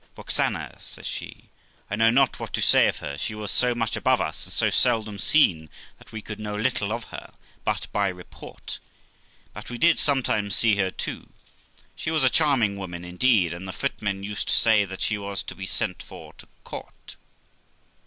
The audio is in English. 'Roxana!' says she, 'I know not what to say of her; she was so much above us, and so seldom seen, that we could know little of her but by report ; but we did sometimes see her too ; she was a charming woman indeed, and the footmen used to say that she was to be sent for to court.'